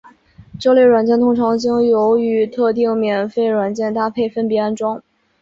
这类软件通常经由与特定免费软件搭配分别安装。